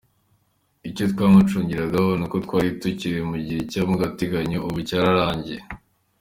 Icyo twacungiragaho ni uko twari tukiri mu gihe cy’agateganyo, ubu cyararangiye.